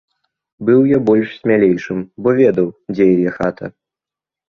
Быў я больш смялейшым, бо ведаў, дзе яе хата.